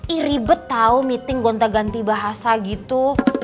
iri bet tau meeting gonta ganti bahasa gitu